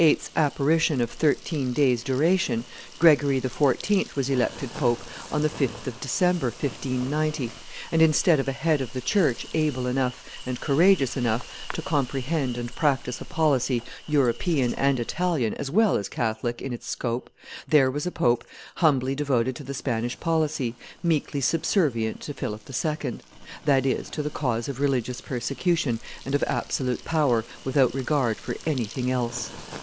's apparition of thirteen days' duration, Gregory XIV. was elected pope on the 5th of December, 1590; and, instead of a head of the church able enough and courageous enough to comprehend and practise a policy European and Italian as well as Catholic in its scope, there was a pope humbly devoted to the Spanish policy, meekly subservient to Philip II.; that is, to the cause of religious persecution and of absolute power, without regard for anything else.